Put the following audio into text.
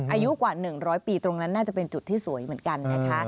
อายุกว่า๑๐๐ปีตรงนั้นน่าจะเป็นจุดที่สวยเหมือนกันนะคะ